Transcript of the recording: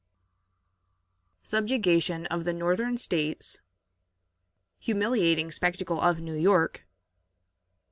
Subjugation of the Northern States. Humiliating Spectacle of New York.